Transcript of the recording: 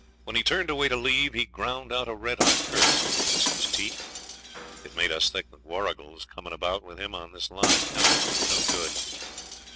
When he turned away to leave he ground out a red hot curse betwixt his teeth. It made us think that Warrigal's coming about with him on this line counted for no good.